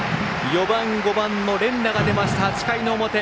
４番、５番も連打が出た８回の表。